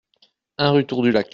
un rue Tour du Lac